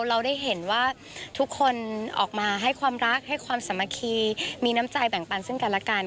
เราได้เห็นว่าทุกคนออกมาให้ความรักให้ความสามัคคีมีน้ำใจแบ่งปันซึ่งกันและกัน